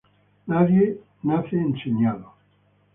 Nadie nace enseñado